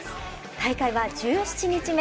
大会は１７日目。